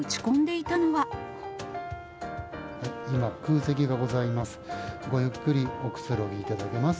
今、空席がございます。